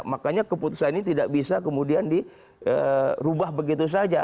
makanya keputusan ini tidak bisa kemudian dirubah begitu saja